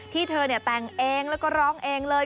ที่เธอแต่งเองแล้วก็ร้องเองเลย